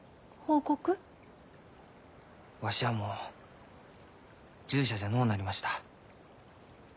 わしはもう従者じゃのうなりました。